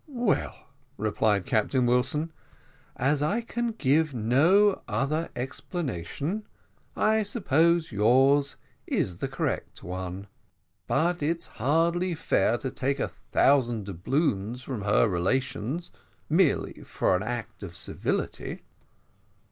"Well," replied Captain Wilson, "as I can give no other explanation, I suppose yours is the correct one; but it's hardly fair to take a thousand doubloons from her relations merely for an act of civility."